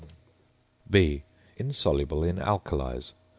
(b) Insoluble in Alkalies.